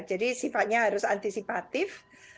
jadi sifatnya harus antisipatif